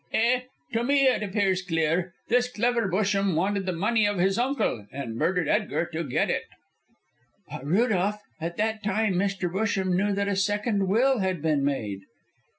"Eh? To me it appears clear. This clever Busham wanted the money of his uncle, and murdered Edgar to get it." "But, Rudolph, at that time Mr. Busham knew that a second will had been made."